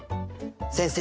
先生